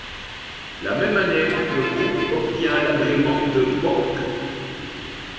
La même année, le groupe obtient l’agrément de banque.